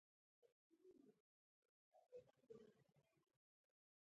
ښځې خبرې کولې.